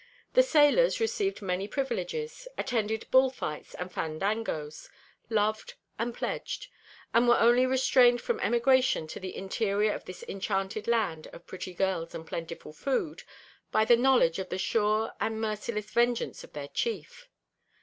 The sailors received many privileges, attended bull fights and fandangos, loved and pledged; and were only restrained from emigration to the interior of this enchanted land of pretty girls and plentiful food by the knowledge of the sure and merciless vengeance of their chief.